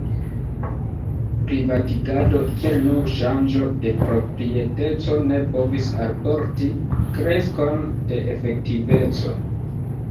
Privatigado kiel nur ŝanĝo de proprieteco ne povis alporti kreskon de efektiveco.